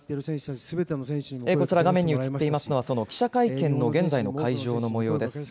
こちら、画面に映っていますのは、記者会見の現在の会場のもようです。